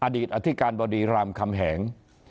อดีตอธิการบดีรามคำแหง